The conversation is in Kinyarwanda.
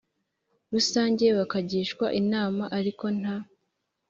Rusange bakagishwa inama ariko nta